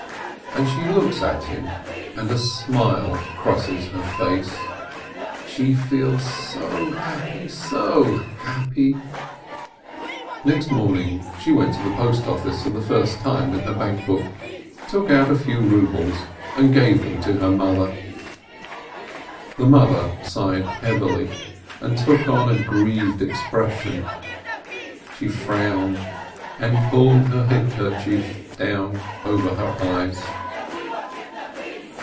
And she looks at him, and a smile crosses her face. She feels so happy, so happy. Next morning she went to the postoffice for the first time with her bank book, took out a few rubles, and gave them to her mother. The mother sighed heavily, and took on a grieved expression; she frowned, and pulled her head kerchief down over her eyes.